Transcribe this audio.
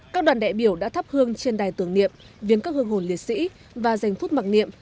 các đoàn đại biểu đã thắp hương trên đài tưởng niệm viến các hương hồn liệt sĩ và dành phút mặc niệm